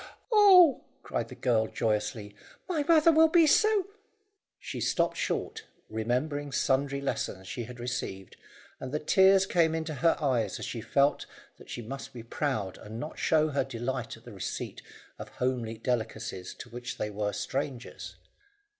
"Oh!" cried the girl joyously, "my mother will be so " She stopped short, remembering sundry lessons she had received, and the tears came up into her eyes as she felt that she must be proud and not show her delight at the receipt of homely delicacies to which they were strangers.